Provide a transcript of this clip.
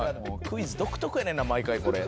クイズ独特やねんな毎回これ。